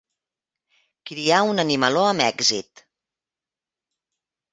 Criar un animaló amb èxit.